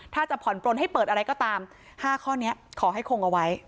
ถ้าจะผ่อนปลนให้เปิดอะไรก็ตาม๕ข้อนี้ขอให้คงเอาไว้